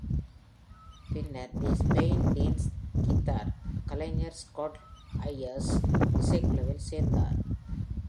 பின்னர் the pain teens guitar கலைஞர் Scott Ayers இசைக்குழுவில் சேர்ந்தார்.